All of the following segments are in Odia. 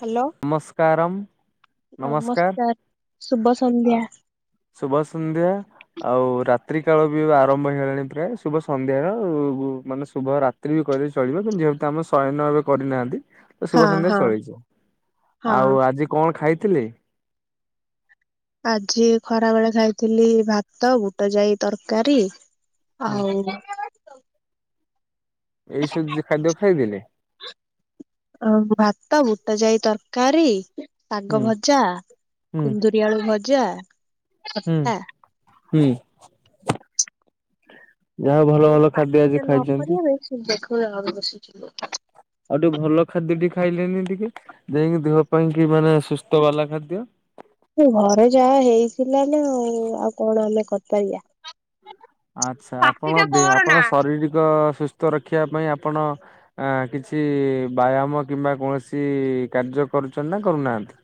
ହ୍ୟାଲୋ ନମସ୍କାରମ୍ ନମସ୍କାର ଶୁଭ ସନ୍ଧ୍ୟା। ଆ ଶୁଭ ସନ୍ଧ୍ୟା। ଆଉ ରାତ୍ରି କାଳ ବି ଆରମ୍ଭ ହେଇଗଲାଣି ପ୍ରାୟ ଶୁଭ ସନ୍ଧ୍ୟାର ମାନେ ଶୁଭ ରା ସ୍ତ୍ରୀ ବି କହିଲେ ଚଳିବ କିନ୍ତୁ ଯେହେତୁ ଅମେ ଶହେ ନ ଏବେ କରିନାହାନ୍ତି, ଅଶୀ ହଁ ପସେଣ୍ଟ ହଁ ଶହେ ହେଇଯିବ। ହଁ ଆଉ ଆଜି କଣ ଖାଇଥିଲି? ଆଜି ଖରା ବେଳେ ଖାଇଥିଲି ଭାତ, ବୁଟ ଯାଇ ତରକାରୀ ହୁଁ ଆଉ ଏଇସବୁ ଖାଦ୍ୟ ଖାଇଦଲେ ଆ ଭାତ, ବୁଟ ଯାଇ ତରକାରୀ ଶାଗ ହୁଁ ଭଜା, ହୁଁ କୁନ୍ଦୁରି ଆଳୁ ଭଜା ହୁଁ ଆ ହୁଁ ଯାହା ଭଲ କୋଉ ଭଲ ଖାଦ୍ୟ ପାଟିଟା ଆଜି ନ ଖାଇଛନ୍ତି। କରିବା ପାଇଁ ଦେଖୁନ ଆଗ ବସିଥିଲୁ ଆଉ ଟିକେ ଭଲ ଖାଦ୍ୟ ଟିକେ ଖାଇଲେନି ଟିକେ ଯାହାକି ଦେହ ପାଇଁ କି ମାନେ ସୁସ୍ଥ ବାଲା ଖାଦ୍ୟ ଘରେ ଯାହା ହେଇଥିଲା ନା ଆଉ ଆଉ କଣ ଆମେ କରିପାରିବା। ଆଚ୍ଛା ଆପଣ ଦେହ ଆପଣ ଶାରୀରିକ ସୁସ୍ଥ ରଖିବା ପାଇଁ ଆପଣ ଆ କିଛି ବ୍ୟାୟାମ କିମ୍ବା କୌଣସି କାର୍ଯ୍ୟ କରୁଛନ୍ତି ନା କରୁନାହାନ୍ତି।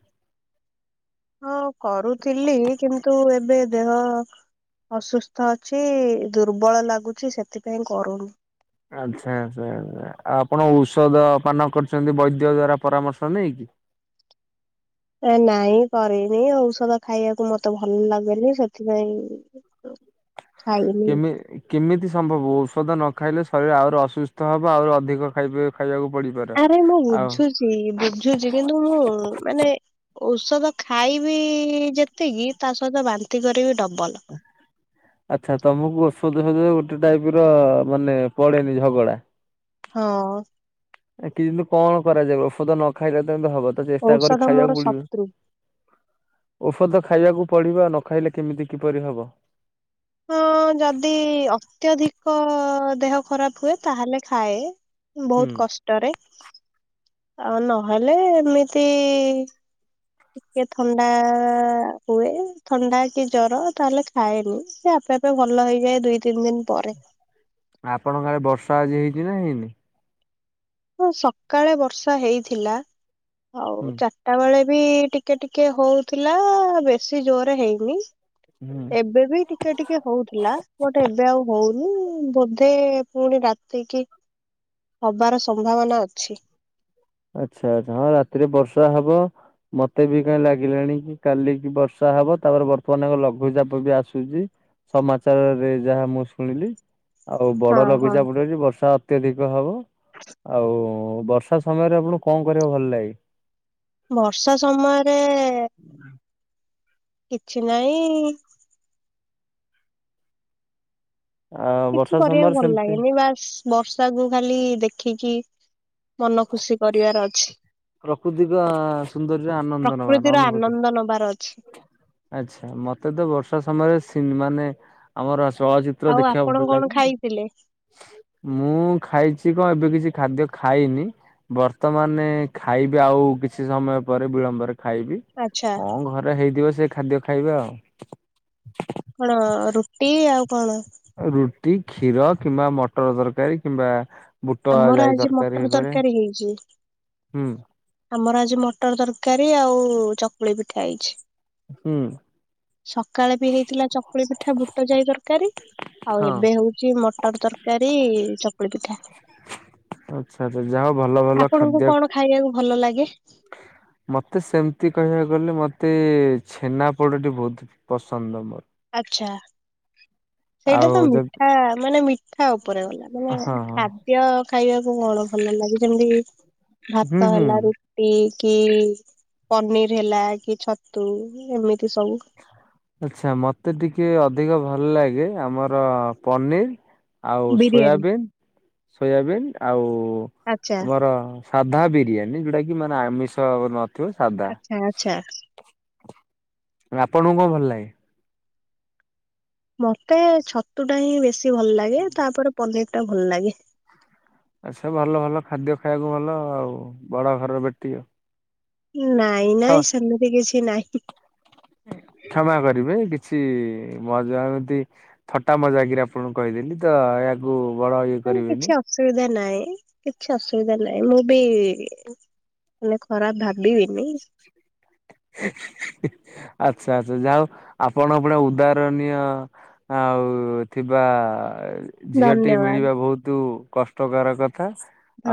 ହଁ କରୁଥିଲି, କିନ୍ତୁ ଏବେ ଦେହ ଅସୁସ୍ଥ ଅଛି ଦୁର୍ବଳ ଲାଗୁଛି ସେଥିପାଇଁ କରୁନି। ଆଚ୍ଛା ଆଚ୍ଛା ଆଛା ଆଉ ଆପଣ ଔଷଦ ପାନ କରୁଛନ୍ତି ବୈଦ୍ୟ ଦ୍ଵାରା ପରାମର୍ଶ ନେଇକି। ଆ ନାଇଁ କରିନି ଔଷଧ ଖାଇବାକୁ ମତେ ଭଲ ଲାଗେନି ସେଥିପାଇଁ ଖାଇନି କେମି କେମିତି ସମ୍ଭବ ଔଷଧ ନ ଖାଇଲେ ଶରୀର ଆହୁରି ଅସୁସ୍ଥ ହବ। ଆହୁରି ଅଧିକ ଖାଇବେ ଖାଇବାକୁ ପଡ଼ିପାରେ। ଆରେ ମୁଁ ବୁଝୁଛି ବୁଝୁଛି କିନ୍ତୁ ମୁଁ ମାନେ ଔଷଧ ଖାଇବି ଯେତିକି ତା ସହିତ ବାନ୍ତି କରିବି ଡବଲ। ଆଚ୍ଛା ତମକୁ ଔଷଧ [unintelligible] ଗୋଟେ ଟାଇପ ର ମାନେ ପଳେଇବି ଝଗଡ଼ା ହଁ ଆ କି ଯେମୁ କଣ କରାଯାଏ ଔଷଧ ନ ଖାଇଲେ ତମିତି ହବ ତ ଚେଷ୍ଟା କରି ଔଷଧ ମୋର ଖାଇବାକୁ ପଡ଼ିବ। ଶତ୍ରୁ ଔଷଧ ଖାଇବାକୁ ପଡ଼ିବ। ନ ଖାଇଲେ କେମିତି କିପରି ହବ। ହଁ ଯଦି ଅତ୍ୟଧିକ ଦେହ ଖରାପ ହୁଏ ତାହେଲେ ଖାଏ। ହୁଁ ବହୁତ କଷ୍ଟରେ ଆଉ ନହେଲେ ଏମିତି ଟିକେ ଥଣ୍ଡା ହୁଏ ଥଣ୍ଡା କି ଜର ତାହେଲେ ଖାଏନି। ସେ ସେଟାତ ଭଲ ହେଇଯାଏ ଦୁଇ ତିନ ଦିନ ପରେ। ଆପଣଙ୍କ ଆଡେ ବର୍ଷା ଆଜି ହେଇଚି ନା ହେଇନି? ହଁ ସକାଳେ ବର୍ଷା ହେଇଥିଲା ଆଉ ହୁଁ। ଚାର୍ ରଟା ବେଳେ ବି ଟିକେ ଟିକେ ହଉଥିଲା ବେଶି ଜୋରେ ହେଇନି। ହୁଁ ଏବେ ବି ଟିକେ ଟିକେ ହଉଥିଲା ବଟ୍ ଏବେ ଆଉ ହଉନି ବୋଧେ ପୁଣି ରାତିକି ହବାର ସମ୍ଭାବନା ଅଛି। ଆଚ୍ଛା ଆଚ୍ଛା ହଁ ରାତିରେ ବର୍ଷା ହବ। ମତେ ବି କାଇଁ ଲାଗିଲାଣି କି କାଲିକ ବର୍ଷା ହବ ତାପରେ ବର୍ତ୍ତମାନ ଆମ ଲଘୁଚାପ ବି ଆସୁଚି। ସମାଚାରରେ ଯାହା ମୁଁ ଶୁଣିଲି। ଆଉ ହଁ ବଡ ହଁ ଲଘୁଚାପଟା ଯେ ବର୍ଷା ଅତ୍ୟଧିକ ହେବ। ଆଉ ବର୍ଷ ଷା ସମୟରେ ଆପଣଙ୍କୁ କଣ କରିଆକୁ ଭଲ ଲାଗେ? ବର୍ଷା ସମୟରେ କିଛି ନାଇଁ ଆ କିଛି ବର୍ଷା କରିଆକୁ ସମୟରେ ଭଲ ସେମିତି ଲାଗେନି ବାସ୍ ବର୍ଷାକୁ ଖାଲି ଦେଖିକି ମନ ଖୁସି କରିବାର ଅଛି। ପ୍ରାକୃତିକ ସୁନ୍ଦର୍ଯ୍ୟ ଆନନ୍ଦ ନବା ନା ଅନୁଭୂତି? ନନ୍ଦ ନବାର ଅଛି। ଆଚ୍ଛା। ମତେ ତ ବର୍ଷା ସମୟରେ ସିନ୍ ମାନେ ଆମର ଚଳଚିତ୍ ଚିତ୍ର ଆଉ ଦେଖିବା ଆପଣ ଭଲ୍ କଣ ଲାଗେ। ଖାଇଥିଲେ? ମୁଁ ଖାଇଚି କଁ ଏବେ କିଛି ଖାଦ୍ୟ ଖାଇନି। ବର୍ତ୍ତମାନେ ଖାଇବି ଆଉ କିଛି ସମୟ ପରେ ବିଳମ୍ବରେ ଖାଇବି। ଆଚ୍ଛା କଁ ଘରେ ହେଇଥିବ ସେ ଖାଦ୍ୟ ଖାଇବା ଆଉ। କଣ ରୁଟି ଆଉ କଣ? ରୁଟି କ୍ଷୀର କିମ୍ବା ମଟର ତରକାରୀ କିମ୍ବା ବୁଟ ଆମର ଯାଇ ଆଜି ତରକାରୀ ମଟର ହେଇପାରେ ତରକାରୀ ହେଇଚି। ହୁଁ ଆମର ଆଜି ମଟର ତରକାରୀ ଆଉ ଚକୁଳି ପିଠା ହେଇଚି। ହୁଁ। ସକାଳେ ବି ହେଇଥିଲା ଚକୁଳି ପିଠା ବୁଟଯାଇ ତରକାରୀ ଆଉ ହଁ ଏବେ ହଉଚି ମଟର ତରକାରୀ ଚକୁଳି ପିଠା। ଆଚ୍ଛା ଆଚ୍ଛା ଯାହାହଉ ଭଲଭଲ ଖାଦ୍ୟ ଖାଇଆକୁ ଭଲ ଲାଗେ। ମତେ ସେମିତି କହିଆକୁ ଗଲେ ମତେ ପସନ୍ଦ ମୋର। ଆଚ୍ଛା। ସେଇଟା ଆଉ ତ ଯଦି ମିଠା ମାନେ ମିଠା ଉପରେ ଗଲା ମାନେ ହଁ ହଁ ଖା ଦ୍ୟ ଖାଇଆକୁ କଣ ଭଲଲାଗେ? ଯେମିତିକି ହୁଁ ଭାତ ହୁଁ ହେଲା ରୁ ଟି କି ପନିର୍ ହେଲା କି ଛତୁ ଏମିତି ସବୁ ଆଚ୍ଛା ମତେ ଟିକେ ଅଧିକ ଭଲଲାଗେ ଆମର ପନିର୍ ଆଉ ବିରିୟାନୀ ସୋୟାବିନ୍ ସୋୟାବିନ୍ ଆଉ ଆଚ୍ଛା। ଆମର ସାଧା ବିରିୟାନୀ ଯୋଉଟା କି ମାନେ ଆମିଷ ବ-ନ ଆଚ୍ଛା ଆଚ୍ଛା। ଆଁ ଆପଣଙ୍କୁ କଣ ଭଲଲାଗେ? ମତେ ଛତୁଟା ହିଁ ବେଶୀ ଭଲ୍ ଲାଗେ ତାପରେ ପନିର ଟା ଭଲଲାଗେ। ଆଛ ଭଲ ଭଲ ଖାଦ୍ୟ ଖାଇବାକୁ ଭଲ ଆଉ ବଡ ଘରର ବେଟିଆଉ। ନାଇଁ ନାଇଁ ସେମିତି କିଛି ନାହିଁ। କ୍ଷମା କରିବେ କିଛି ମଜା ଏମିତି ଥଟା ମଜାକରି ଆପଣଙ୍କୁ କହିଦେଲି। ତ ୟାକୁ ବଡ ଇଏ କିଛି କରିବେନି। ଅସୁବିଧା ନାହିଁ କିଛି ଅସୁବିଧା ନାହିଁ, ମୁଁ ବି ମାନେ ଖରାପ ଭାବିବିନି। [inaudible] ଆଚ୍ଛା ଆଚ୍ଛା ଯାହଉ ଆପଣକ ଭଳିଆ ଉଦାହରଣୀୟ ଆଉ ଥିବା ଝିଅଟି ଧନ୍ୟବାଦ ମିଳିବା ବହୁତ କଷ୍ଟକର କଥା,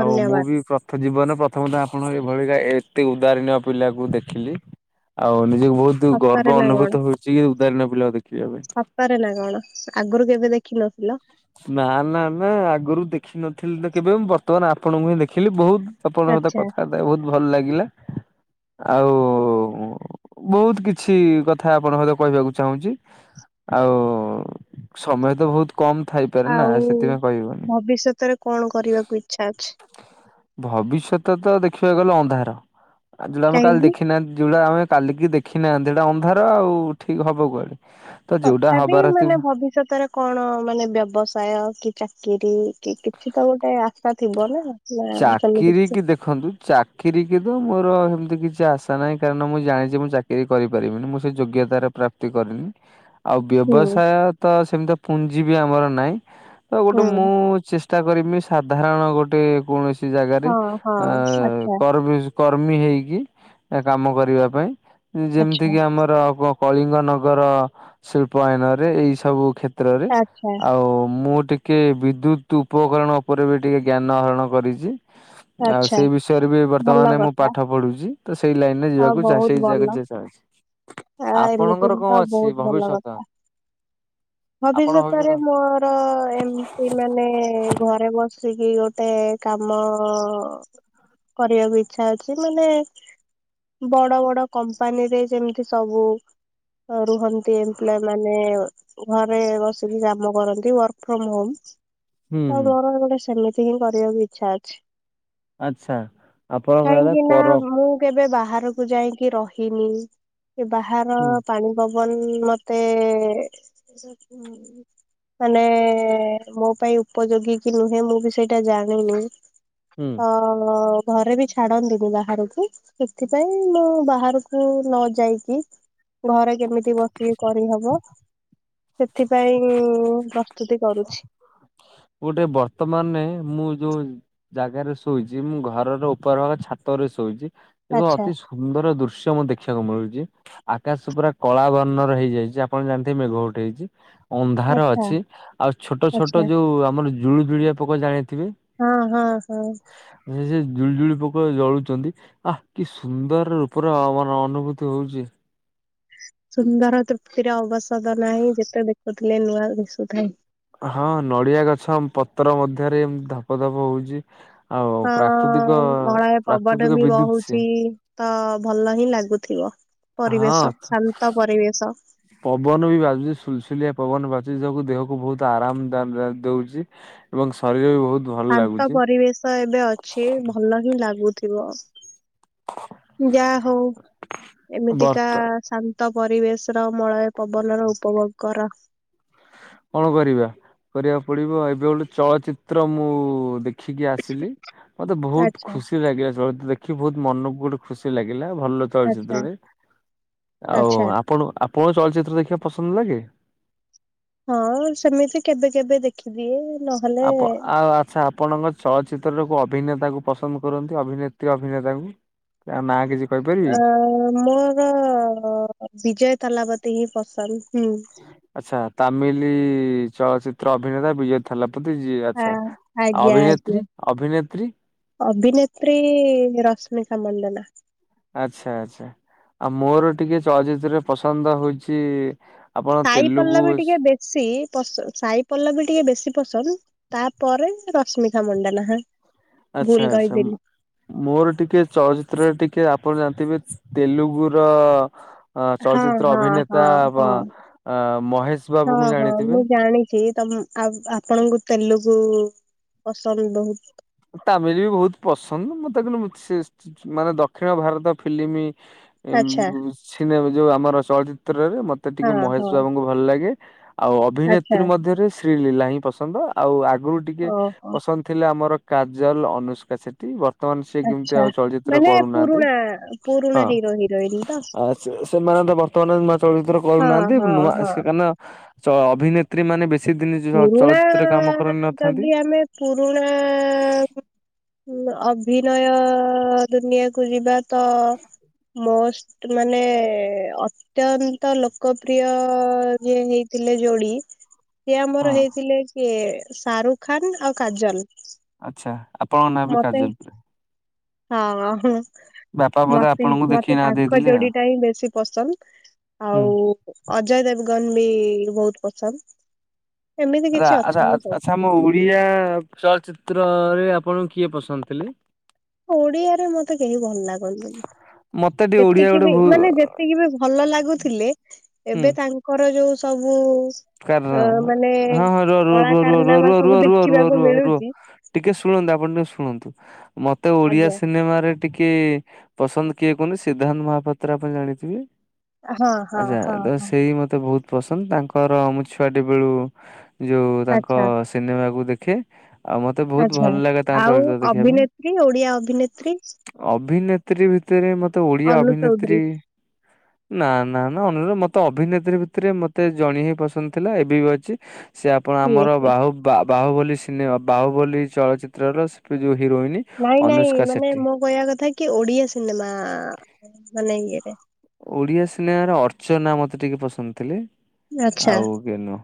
ଆଉ ମୁଁ ବି ପ୍ର ଥ ଜୀବନରେ ପ୍ରଥମତଃ ଆପଣ ଏଇଭଳିିକା ଏତେ ଉଦାହରଣୀଅ ପିଲାକୁ ଦେଖିଲି ଆଉ ନିଜକୁ ବହୁତ ସତରେ ଗର୍ବ ନା କଣ ଅନୁଭୂତ ହଉ ଚିକି ଉଦାହରଣୀନ ପିଲାକୁ ଦେଖିବା ପାଇଁ। ସତରେ ନା କଣ ଆଗରୁ କେବେ ଦେଖିନଥିଲ? ନା ନା ନା ଆଗରୁ ଦେଖିନଥିଲି ତ କେବେ ମୁଁ ବର୍ତ୍ତମାନ ଆପଣଙ୍କୁ ହିଁ ଦେଖିଲି ବହୁତ ଆପଣଙ୍କ ସହିତ ଆଚ୍ଛା କଥାବାର୍ତ୍ତା ହେଇ ବହୁତ ଭଲ ଲାଗିଲା। ଆଉ ବହୁତ କିଛି କଥା ଆପଣ ସହିତ କହିବାକୁ ଚାହୁଁଛି। ଆଉ ସମୟ ତ ବହୁତ କମ୍ ଥାଇ ଆଉ ଭବିଷ୍ୟତରେ କଣ କରିବାକୁ ଇଚ୍ଛା ଅଛି? ଭବିଷ୍ୟତ ତ ଦେଖିବାକୁ ଗଲେ ଅନ୍ଧାର, ଆ ଯୋଉଟା ଆମେ କାଲି କାହିଁକି? ଦେଖିନାହାନ୍ତି ଯୋଉଟା ଆମେ କାଲିକି ଦେଖି ନାହାନ୍ତି ଏଟା ଅନ୍ଧାର ଆଉ ଠିକ୍ ହବ କୁଆଡେ। ତ ଯୋଉଟା ତଥାବି ହବାର ଥିବ ମାନେ ଭବିଷ୍ୟତରେ କଣ ମାନେ ବ୍ୟବସାୟ କି ଚାକିରୀ କି କିଛି ତ ଗୋଟେ ଆଶା ଥିବ ନା? ନାଁ ସେମିତି ଚାକିରି କିଛି କି ଦେଖନ୍ତୁ ଚାକିରୀ କି ତ ମୋର ହେମିତି କିଛି ଆଶା ନାହିଁ କାରଣ ମୁଁ ଜାଣିଛି ମୁଁ ଚା କିରି କରିପାରିବିନି ମୁଁ ସେ ଯୋଗ୍ୟତାର ପ୍ରାପ୍ତି କରିନି। ଆଉ ହୁଁ ବ୍ୟବସାୟ ତ ସେମିତିଆ ପୁଞ୍ଜି ବି ଆମର ନାହିଁ ତ ଗୋଟେ ହୁଁ ମୁଁ ଚେଷ୍ ଷ୍ଟା କରିମି ସାଧାରଣ ଗୋଟେ କୌଣସି ଜାଗାରେ ହଁ ହଁ ଆଁ ଆଚ୍ଛା କର୍ଭିସ। କର୍ମୀ ହେଇକି କାମ କରିବା ପାଇଁ ଆଚ୍ଛା ଯେମିତିକି ଆମର ହବ କଳିଙ୍ଗନଗର ଶିଳ୍ପାଆଇନରେ ଏଇ ସବୁ କ୍ଷେ ତ୍ରରେ, ଆଚ୍ଛା ଆଉ ମୁଁ ଟିକେ ବିଦ୍ୟୁତ୍ ଉପକରଣ ଉପରେ ବି ଟିକେ ଜ୍ଞାନ ହରଣ କରିଚି। ଆଉ ଆଚ୍ଛା ସେଇ ବିଷୟରେ ବି ଭଲ ବର୍ତ୍ତମାନ ମୁଁ କଥା ପାଠ ପଢୁଛି ତ ସେଇ ଲାଇନରେ ଆଉ ଯିବାକୁ ଚାଁ ବହୁତ ଭଲ [unintelligible] ଆ ଏମିତି ତ ବହୁତ ଭଲ ଭବିଷ୍ୟତ କଥା, ଆପଣ ଭବିଷ୍ୟତ ଭବିଷ୍ୟତରେ ମୋର ର ଏମତି ମାନେ ଘରେ ବସିକି ଗୋଟେ କାମ ଅ କରିବାକୁ ଇଚ୍ଛା ଅଛି ମାନେ ବଡ ବଡ କମ୍ପାନୀରେ ଯେମିତି ସବୁ ଅ ରୁହ ନ୍ତି ଏମ୍ପ୍ଲଇମାନେ ଘରେ ବସିକି କାମ କରନ୍ତି ୱାର୍କ ଫ୍ରମ୍ ହୋମ୍। ହୁଁ ତ ହୁଁ ମୋର ଗୋଟେ ସେମିତି ହିଁ କରିବାକୁ ଇଚ୍ଛା ଅଛି। ଆଚ୍ଛା ଆପଣ କହିବା କାହିଁକି କଥା ନା କର। ମୁଁ କେବେ ବାହାରକୁ ଯାଇଁକି ରହିନି, ବାହାର ହୁଁ ପାଣି ପବନ ମତେ ମାନେ ମୋ ପାଇଁ ଉପଯୋଗୀ କି ନୁହେଁ ମୁଁ ବି ସେଇଟା ଜାଣିନି? ହୁଁ ହଁ ଘରେ ବି ଛାଡ଼ନ୍ତିନି ବାହାରକୁ। ସେଥିପାଇଁ ମୁଁ ବାହାରକୁ ନ ଯାଇକି ଘରେ କେମିତି ବସି କରିହବ ସେଥିପାଇଁ ପ୍ରସ୍ତୁତି କରୁଛି। ଗୋଟେ ବର୍ତ୍ତମାନେ ମୁଁ ଯୋଉଁ। ଜାଗାରେ ଶୋଇଛି ମୁଁ ଘରର ଉପର ଭାଗ ଛାତରେ ଶୋଇଛି ଏବଂ ଆଚ୍ଛା ଅତି ସୁନ୍ଦର ଦୃଶ୍ୟ ମୁଁ ଦେଖିବାକୁ ମିଳୁଛି। ଆକାଶ ପୁରା କଳା ବର୍ଣ୍ଣର ହେଇଯାଇଛି ଆପଣ ଜାଣିଥିବେ ମେଘ ଉଠେଇଛି। ଅନ୍ଧାର ଆଚ୍ଛା ଅଛି ଆଉ ଛୋଟ ଛୋଟ ଆଚ୍ଛା ଯୋଉ ଆମର ଜୁଳୁଜୁଳିଆ ପୋକ ଜାଣିଥିବେ। ହଁ ହଁ ହଁ। ଏ ସେ ଜୁଳୁ ଜୁଳୁ ପୋକ ଜଳୁଛନ୍ତି। ଆ କି ସୁନ୍ଦର ଉପରେ ମାନ ଅନୁଭୂତି ହଉଛି। ସୁନ୍ଦର ତୃପ୍ତିର ଅବସଦ ନାହିଁ ଯେତେ ଦେଖୁଥିଲେ ନୂଆ ଦିଶୁଥାଏ। ହଁ ନଡି଼ଆ ଗଛ ପତ୍ର ମଧ୍ୟରେ ଏମିତି ଧପ ଧପ ହଉଛି। ଆଉ ପ୍ରାକୃତିକ ହଁ ମଳୟ ପବନ ପ୍ରାକୃତିକ ବି ବିଦ୍ୟୁତ ସିଏ। ବହୁଛି। ତ ଭଲ ହିଁ ଲାଗୁଥିବ ହଁ ପରିବେଶ ଶାନ୍ତ ପରିବେଶ। ପବନ ବି ବାଜୁଛି ସୁଲସୁଲିଆ ପବନ ବାଜୁଛି ଯୋ ଦେହକୁ ବହୁତ ଆରାମ ଦଉଛି। ଏବଂ ଶରୀର ରେ ବହୁତ। ଭଲ ଶାନ୍ତ ଲାଗୁଛି ପରିବେଶ ଏବେ ଅଛି ଭଲ ହିଁ ଲାଗୁଥିବ। ଯାହା ହଉ ଏମିତିକା ବର୍ତ୍ତ ଶା ନ୍ତ ପରିବେଶର ମଳୟ ପବନର ଉପଭୋଗ କର। କଣ କରିବା କରିବାକୁ ପଡି଼ବ ଏବେ ଗୋଟେ ଚଳଚିତ୍ର ମୁଁ ଦେଖେ। ଦେଖିକି ଆସିଲି ମତେ ବହୁତ ଆଚ୍ଛା ଖୁସି ଲାଗିଲା ଚଳିଚିତ୍ର ଦେଖ। ଦେଖି ବହୁତ ମନକୁ ଗୋଟେ ଖୁସି ଲାଗିଲା ଭଲ ଆଚ୍ଛା ଚଳଚିତ୍ରଟେ ଆଉ ଆଚ୍ଛା ଆ। ଆପଣ, ଆପଣ ଚଳଚିତ୍ର ଦେଖିବାକୁ ପସନ୍ଦ ଲାଗେ। ହଁ ସେମିତି କେବେ, କେବେ ଦେଖିଦିଏ ନ। ଆପ ଆ ଆ। ଆଚ୍ଛା ଆପଣଙ୍କ ଚଳଚିତ୍ରରେ କୋଉ ଅଭିନେତା କୁ ପସନ୍ଦ କରନ୍ତି ଅଭିନେତ୍ରୀ, ଅଭିନେତାଙ୍କୁ। ତା ନାଁ କିଛି କହିପା ଅ ମୋର ବିଜୟ ଥାଲାପତୀ ହିଁ ପସନ୍ଦ ହୁଁ। ଆଚ୍ଛା ତାମିଲି ଚଳଚ୍ଚିତ୍ର ଅଭିନେତା ବିଜୟ। ଥାଲାପତି ଯିଏ ଆ ଆଛା ଆଜ୍ଞା ଆଜ୍ଞା। ଅଭିନେତ୍ରୀ, ଅଭିନେତ୍ରୀ। ଅଭିନେତ୍ରୀ ରଶ୍ମିକା ମଣ୍ଡନା। ଆଚ୍ଛା ଆଚ୍ଛା ଆଉ ମୋର ଟିକେ ଚଳଚିତ୍ରରେ ପସନ୍ଦ ହଉଛି। ଆପଣ ସାଇ ତେଲୁଗୁ ପଲ୍ଲବି ଟିକେ ବେଶୀ ପସନ୍ଦ ସାଇ ପଲ୍ଲବି ଟିକେ ବେଶୀ ପସନ୍ଦ। ତାପରେ ରଶ୍ମିତା ମଣ୍ଡନା ହା। ଆଚ୍ଛା ଆଚ୍ଛା ମୁଁ। ମୋର ଟିକେ ଚଳଚିତ୍ରରେ ଟିକେ ଆପଣ ଜାଣିଥିବେ ତେଲୁଗୁ ର। ଅ ହଁ ଚଳଚିତ୍ର ହଁ ହଁ ଅଭିନେତା ହଁ। ବା ମହେଶ ବାବୁଙ୍କୁ ଜାଣିଥିବେ। ଜାଣିଚି। ତମ୍ ଆ ଆପଣଙ୍କୁ ତେଲୁଗୁ ପସନ୍ଦ ବହୁତୁ। ତାମିଲି ବି ବହୁତ ପସନ୍ଦ ମତେ କିନ୍ତୁ ସେ ମାନେ ଦକ୍ଷିଣ ଭାରତ ଫିଲ୍ମ। ଏ ଆଚ୍ଛା ମ୍ ସିନେ ଯୋଉ ଆମର ଚଳଚିତ୍ରରେ ମତେ ହଁ ଟିକେ ମହେଶ ହଁ ବାବୁଙ୍କୁ ଭଲ ଲାଗେ। ଆଉ ଆଚ୍ଛା ଅଭିନେତ୍ରୀ ମଧ୍ୟରେ ଶ୍ରୀଲୀଲା ହିଁ ପସନ୍ଦ ଆଉ ଆଗୁରୁ ଟିକେ ଓହୋ। ପସନ୍ଦ ଥିଲା ଆମର। କାଜଲ, ଅନୁଷ୍କା ସେଠୀ ବତ୍। ବର୍ତ୍ତମାନ୍ ସିଏ କେମିତି ଆଚ୍ଛା ଆଉ ଚଳଚିତ୍ର ମାନେ କରୁନାହାନ୍ତି ପୁରୁଣା ପୁରୁଣା ହଁ ହିରୋ ହିରୋଇନ ତ? ଆ ସେମାନେ ତ ବର୍। ତ ନୂଆ ଚଳଚିତ୍ର ହଁ କରୁନାହାନ୍ତି ହଁ ନୂଆ ହଁ ସେ କାଇଁ ନା ଅଭିନେତ୍ରୀ ମାନେ ବେଶୀ। ଦିନ ପୁରୁଣା ଚଳଚିତ୍ର କାମ କରିନଥାନ୍ତି ଯଦି ଆମେ। ପୁରୁଣା ଅଭିନୟ ଦୁନିଆକୁ ଯିବା। ତ ମୋ ମାନେ ଅତ୍ୟନ୍ତ ଲୋକପ୍ରିୟ ଯିଏ ହେଇଥିଲେ ଯୋଡି଼। ସେଏ ଆମର ହଁ। ହେଇଥିଲେକିଏ ଶାରୁଖାନ୍ ଆଉ କାଜଲ୍। ଆଚ୍ଛା ଆପଣଙ୍କ ନାଁ ବି କାଜଲ୍ ହଁ ବାପା ବୋଧେ ମତେ ଆପଣଙ୍କୁ ଦେଖିକି ମତେ ନାଁ ତାଙ୍କ ଦେଇଦେଲେ ଆଉ। ଯୋଡି଼ ଟା ହିଁ ବେଶୀ ପସନ୍ଦ ହୁଁ। ଆଉ। ଅଜୟ ଦେବଗନ୍ ବି ବହୁତ ପସନ୍ଦ। ଏମିତି ରା କିଛି ରା ଅଛନ୍ତି ସବୁ ଆଚ୍ଛା ଆମ ଓଡି଼ଆ ଚଳଚ୍ଚିତ୍ରରେ ଆପଣଙ୍କ କିଏ ପସନ୍ଦ ଥିଲେ? ଓଡି଼ଆରେ ମତେ କେହି ଭଲ ଲାଗନ୍ତିନି। ମତେ ଟିକେ ଓଡିଆ ଯେତିକି ଗୋଟେ ବି ଭୁ ମାନେ ଯେତିକି ବି ଭଲ ଲାଗୁଥିଲେ ଏବେ ତାଙ୍କୁ ଙ୍କର ଯୋଉ ସବୁ। ଅ କାରନା ମାନେ ହଁ ହ ରୁଅ, କଳା କାରନାମା ରୁଅ, ସବୁ ଦେଖିବାକୁ ରୁଅ, ରୁଅ ମିଳୁଛି ଟିକେ ଶୁଣନ୍ତୁ ଆପଣ ଟିକେ ଶୁଣନ୍ତୁ ମତେ ଓଡିଆ ଆଜ୍ଞା ସିନେମାରେ। ଟିକେ ପସନ୍ଦ କିଏ କୁହନି ସିଦ୍ଧାନ୍ତ ମହାପାତ୍ର ଆପଣ ଜାଣିଥିବେ! ହଁ ହଁ ଆଚ୍ଛା ହଁ ତ ହଁ ସେଇ ମତେ ବହୁତ ପସନ୍ଦ ତାଙ୍କର ମୁଁ ଛୁଆଟି ବେଳୁ ଯୋଉ ତାଙ୍କ ଆଚ୍ଛା ସିନେମାକୁ ଦେଖେ। ଆଉ ମତେ ବହୁତ ଆଚ୍ଛା ଭଲ ଲାଗେ ତାଙ୍କ ଆଉ ଚଳଚିତ୍ର ଦେଖିବା ପାଇଁ। ଅଭିନେତ୍ରୀ ଓଡିଆ ଅଭିନେତ୍ରୀ ଅଭିନେତ୍ରୀ ଭିତରେ ମତେ ଓଡିଆ ଅନୁ ଚୌଧୁରୀ ଅଭିନେତ୍ରୀ ନା, ନା, ନା ଅନୁରୋଧ ମତେ ଅଭିନେତ୍ରୀ ଭିତରେ ମତେ ଜଣ ହିଁ ପସନ୍ଦ ଥିଲା ଏବେ ବି ଅଛି ସେ ଆପଣ କିଏ ଆମର ସେ? ବାହୁ ବା ବାହୁବଳୀ ସିନେମା ବାହୁବଳୀ ଚଳଚିତ୍ର ର ସେ ଯୋଉ ହିରୋଇନ। ନାଇଁ ନାଇଁ ଅନୁଷ୍କା ମାନେ ସେଠୀ। ମୋ କହିବା କଥା କି ଓଡିଆ ସିନେମା ମାନେ ଇଏରେ। ଓଡିଆ ସିନେମାର ଅର୍ଚ୍ଚନା ମତେ ଟିକେ ପସନ୍ଦ ଥିଲେ। ଆଚ୍ଛା ଆଉ କେହିନୁହେଁ।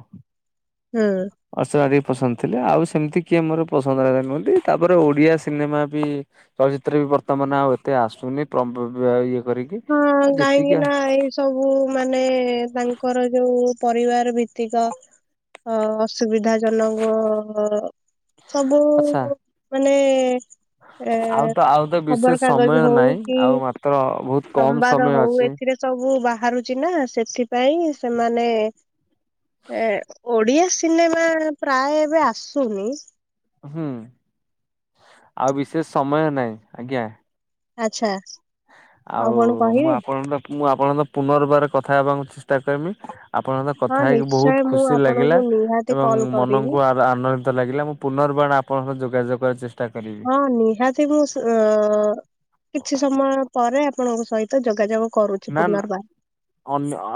ହୁଁ। ଅର୍ଚ୍ଚନା ଅଧିକ ପସନ୍ଦ ଥିଲେ ଆଉ ସେମିତି କିଏ ମୋର ପସନ୍ଦ ନୁହନ୍ତି ତାପରେ ଓଡିଆ ସିନେମା ବି। ଚଳଚିତ୍ର ବି ବର୍ତ୍ତମାନ ଆଉ ଏତେ ଆସୁନି ଇଏ କରିକି [unintelligible] ହଁ କାହିଁକି ଯେତିକି ନା ଏ ସବୁ ମାନେ ତାଙ୍କର ଯୋଉ ପରିବାର ଭିତ୍ତିକ। ହ ଅସୁବିଧା ଜନକ ସବୁ ଆଚ୍ଛା ମାନେ ଏ ଆଉ ତ ଆଉ ତ ବିଶେଷ ଖବର କାଗଜ ସମୟ ହଉ ନାହିଁ କି ଆଉ ମାତ୍ର ବହୁତ କମ ସମ୍ବାଦ ସମୟ ହଉ ଅଛି। ଏଥିରେ ସବୁ ବାହାରୁଛି ନା ସେଥିପାଇଁ ସେମାନେ ଏ ଓଡିଆ ସିନେମା ପ୍ରାୟ ଏବେ ଆସୁନି। ହୁଁ ଆଉ ବିଶେଷ ସମୟ ନାହିଁ ଆଜ୍ଞା। ଆଚ୍ଛା। ଆଉ କଣ ମୁଁ କହିବେ ଆପଣ ମୁଁ ଆପଣ ତ ପୁନର୍ବାର କଥା ହେବାକୁ ଚେଷ୍ଟା କରିବି। ଆପଣଙ୍କ ହଁ କଥା ହେଇକି ନିଶ୍ଚୟ ବହୁତ ମୁଁ ଖୁସି ଲାଗିଲା ଆପଣଙ୍କୁ ନିହାତି ଏବଂ କଲ୍ କରିବି ମନକୁ ଆ ଆନନ୍ଦିତ ଲାଗିଲା ମୁଁ ପୁନର୍ବାରଣ ଆପଣଙ୍କର ଯୋଗାଯୋଗ ଚେଷ୍ଟା କରିବି। ହଁ ନିହାତି ମୁଁ କିଛି ସମୟ ପରେ ଆପଣଙ୍କ ସହିତ ଯୋଗାଯୋଗ କରୁଛି ନା ନା ପୁନର୍ବାର। ଅନ୍ୟ